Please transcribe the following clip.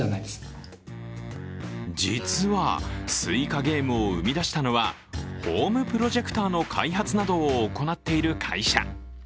実は「スイカゲーム」を生み出したのはホームプロジェクターの開発などを行っている会社。